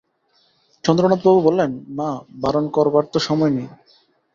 চন্দ্রনাথবাবু বললেন, মা, বারণ করবার তো সময় নেই।